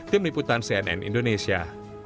tim liputan cnn indonesia